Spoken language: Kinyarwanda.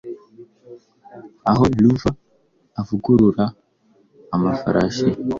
Aho Luva avugurura amafarasi ye?